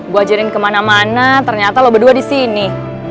gue ajarin kemana mana ternyata lo berdua disini